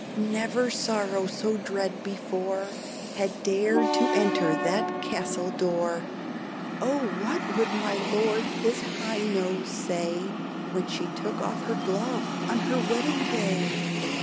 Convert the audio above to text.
Never sorrow so dread before Had dared to enter that castle door. Oh! what would my Lord His High Nose say When she took off her glove on her wedding day?